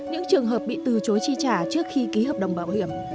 những trường hợp bị từ chối chi trả trước khi ký hợp đồng bảo hiểm